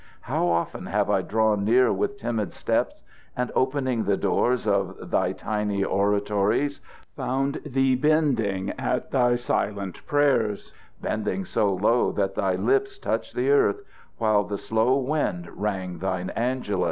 How often have I drawn near with timid steps, and, opening the doors of thy tiny oratories, found thee bending at thy silent prayers bending so low that thy lips touched the earth, while the slow wind rang thine Angelus!